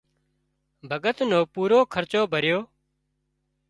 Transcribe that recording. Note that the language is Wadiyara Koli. ڀڳت نو پورُو خرچو ڀريو